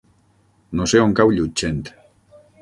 No sé on cau Llutxent.